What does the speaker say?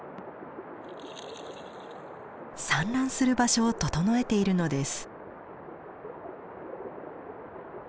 産卵する場所を整えているのです。